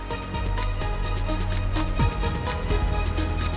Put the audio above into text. gue belom ngampain